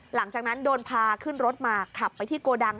หลังจากนั้นโดนพาขึ้นรถมาขับไปที่โกดัง